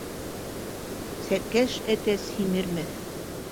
Сәркәш әтәс һимермәҫ.